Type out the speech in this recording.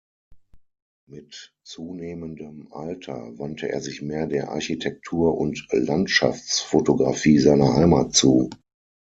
Mit zunehmendem Alter wandte er sich mehr der Architektur- und Landschaftsfotografie seiner Heimat zu.